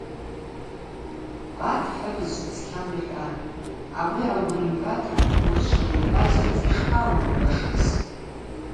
Батӏ хӏыбызшва цкьала йхӏватӏ, ауи гӏаугвнымгӏвуата урышвла йырхӏваз рыцӏа йшпагӏаугвынгӏвуашыз.